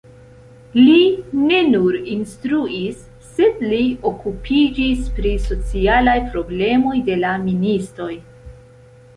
Li ne nur instruis, sed li okupiĝis pri socialaj problemoj de la ministoj.